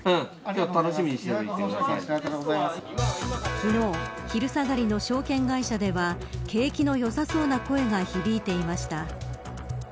昨日、昼下がりの証券会社では景気の良さそうな声が響いていました。